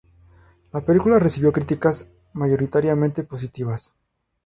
La película recibió críticas mayoritariamente positivas.